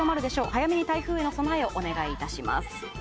早めに台風への備えをお願いします。